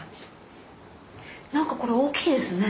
なんかこれ大きいですね。